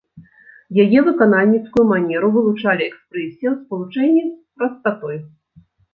Яе выканальніцкую манеру вылучалі экспрэсія ў спалучэнні з прастатой.